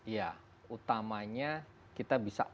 ya utamanya kita bisa